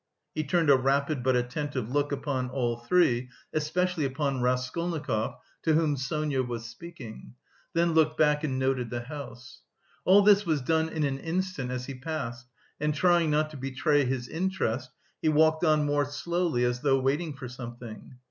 He turned a rapid but attentive look upon all three, especially upon Raskolnikov, to whom Sonia was speaking; then looked back and noted the house. All this was done in an instant as he passed, and trying not to betray his interest, he walked on more slowly as though waiting for something.